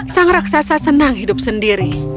sang raksasa senang hidup sendiri